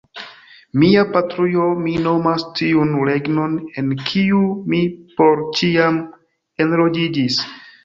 Mia patrujo mi nomas tiun regnon, en kiu mi por ĉiam enloĝiĝis.